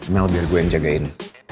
mil biar gue yang jagain